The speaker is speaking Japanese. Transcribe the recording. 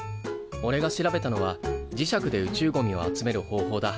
おれが調べたのは磁石で宇宙ゴミを集める方法だ。